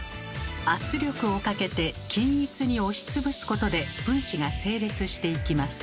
圧力をかけて均一に押しつぶすことで分子が整列していきます。